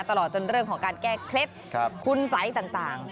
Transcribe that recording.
ตลอดจนเรื่องของการแก้เคล็ดคุณสัยต่าง